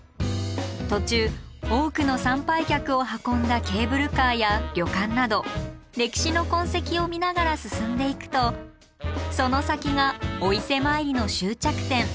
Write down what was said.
途中多くの参拝客を運んだケーブルカーや旅館など歴史の痕跡を見ながら進んでいくとその先がお伊勢参りの終着点。